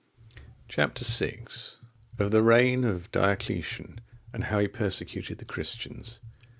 Chap. VI. Of the reign of Diocletian, and how he persecuted the Christians.